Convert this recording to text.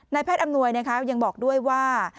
แพทย์อำนวยยังบอกด้วยว่า